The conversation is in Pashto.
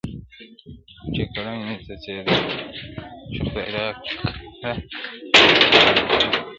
چي گړنگ مي څڅېده، چي خداى را کړه ستا ئې څه.